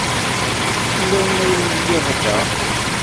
Fell-awen ay lliɣ da.